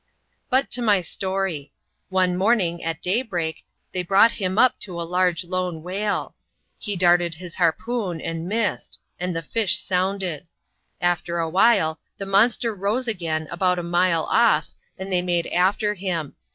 But to my story. One morning, at daybreak, they brought him up to a large lone. whale. He darted his harpoon, and missed ; and the fish sounded. After a while, the monster rose again, about a mile off, and they made after him.